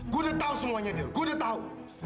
gue udah tahu semuanya gil gue udah tahu